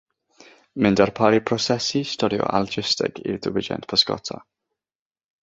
Mae'n darparu prosesu, storio a logisteg i'r diwydiant pysgota.